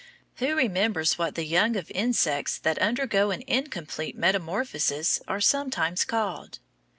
Who remembers what the young of insects that undergo an incomplete metamorphosis are sometimes called?